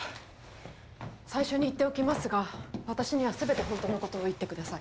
最初に言っておきますが私には全て本当の事を言ってください。